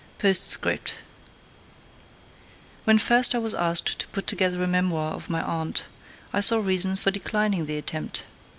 Postscript. When first I was asked to put together a memoir of my aunt, I saw reasons for declining the attempt.